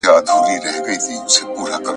• څه چي کرې هغه به رېبې.